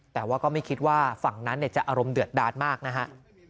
แต่ว่าก็ไม่คิดว่าฝั่งนั้นจะอารมณ์เดือดดาดมากนะฮะ